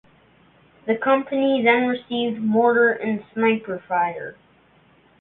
The Company then received mortar and sniper fire.